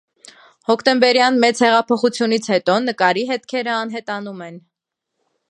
Հոկտեմբերյան մեծ հեղափոխությունից հետո նկարի հետքերը անհետանում են։